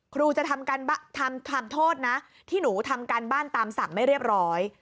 ครูจะทำโทษนะที่หนูทำการบ้านตามสั่งไม่เรียบร้อย